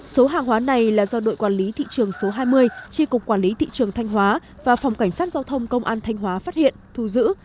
số hàng hóa này là do đội quản lý thị trường số hai mươi tri cục quản lý thị trường thanh hóa và phòng cảnh sát giao thông công an thanh hóa phát hiện thu giữ